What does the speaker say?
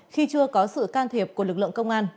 khi chưa có sự can thiệp của lực lượng công an